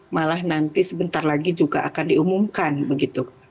malah nanti sebentar lagi juga akan diumumkan begitu